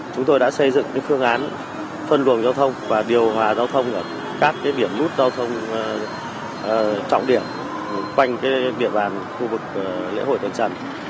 chúng tôi đã xây dựng phương án phân luồng giao thông và điều hòa giao thông ở các điểm nút giao thông trọng điểm quanh địa bàn khu vực lễ hội đền trần